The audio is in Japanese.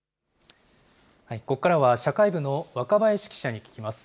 ここからは社会部の若林記者に聞きます。